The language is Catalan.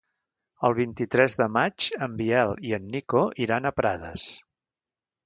El vint-i-tres de maig en Biel i en Nico iran a Prades.